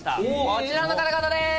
こちらの方々です！